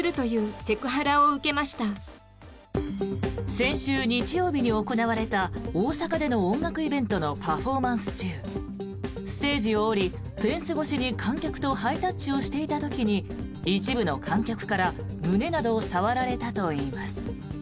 先週日曜日に行われた大阪での音楽イベントのパフォーマンス中ステージを降り、フェンス越しに観客とハイタッチをしていた時に一部の観客から胸などを触られたといいます。